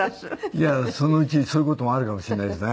いやそのうちそういう事もあるかもしれないですね。